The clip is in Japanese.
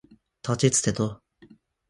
たちつてと